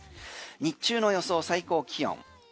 日中の予想最高気温。